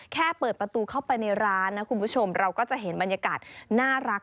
แค่เปิดประตูเข้าไปในร้านนะคุณผู้ชมเราก็จะเห็นบรรยากาศน่ารัก